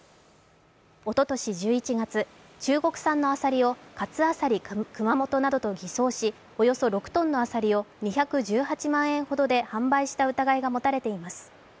おととし１１月、中国産のアサリを活アサリ熊本などと偽造し、およそ６ｔのアサリを２１８万円ほとで販売した疑いが持たれています。